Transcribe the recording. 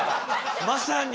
まさに！